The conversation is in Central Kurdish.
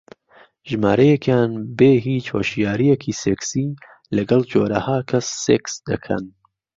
ژمارەیەکیان بێ هیچ هۆشیارییەکی سێکسی لەگەڵ جۆرەها کەس سێکس دەکەن